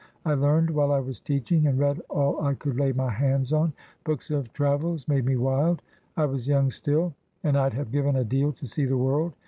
I learned while I was teaching, and read all I could lay my hands on. Books of travels made me wild. I was young still, and I'd have given a deal to see the world.